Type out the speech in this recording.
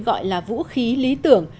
gọi là vũ khí lý tưởng